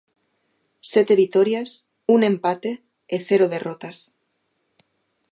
Sete vitorias, un empate e cero derrotas.